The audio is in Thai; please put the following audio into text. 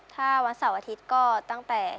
ถ้าวันเสาร์อาทิตย์ก็ตั้งแต่